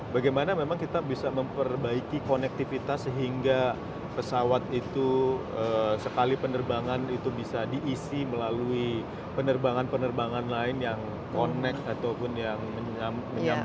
bagaimana memang kita bisa memperbaiki konektivitas sehingga pesawat itu sekali penerbangan itu bisa diisi melalui penerbangan penerbangan lain yang connect ataupun yang menyangkut